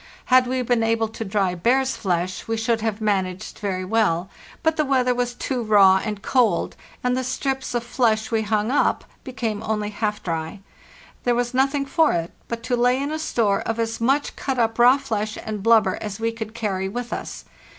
Had we been able to dry bear's flesh we should have managed very well; but the weather was too raw and cold, and the strips of flesh we hung up became only half dry. There was nothing for it but to lay in a store of as much cut up raw flesh and blubber as we could carry with us.